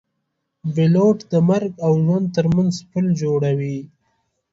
پیلوټ د مرګ او ژوند ترمنځ پل جوړوي.